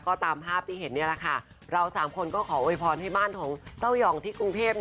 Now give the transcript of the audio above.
ก็ตามภาพที่เห็นนี่แหละค่ะเราสามคนก็ขอโวยพรให้บ้านของเต้ายองที่กรุงเทพ